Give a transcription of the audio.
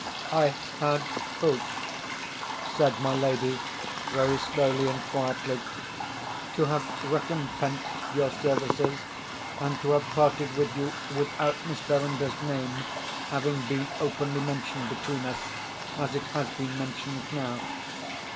"I had hoped," said my lady, very slowly and quietly, "to have recompensed your services, and to have parted with you without Miss Verinder's name having been openly mentioned between us as it has been mentioned now.